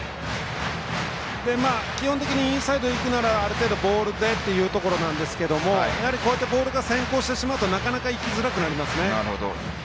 基本的にインサイドいくならある程度ボールというところなんですけれどボールが先行してしまうとなかなかいきづらくなりますね。